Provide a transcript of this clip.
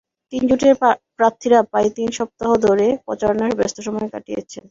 তিন জোটের প্রার্থীরা প্রায় তিন সপ্তাহ ধরে প্রচারণায় ব্যস্ত সময় কাটিয়েছেন।